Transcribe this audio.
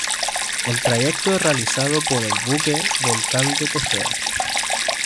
El trayecto es realizado por el buque "Volcán de Tejeda".